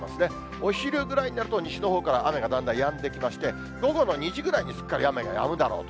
お昼ぐらいになると、西のほうから雨がだんだんやんできまして、午後の２時ぐらいにすっかり雨がやむだろうと。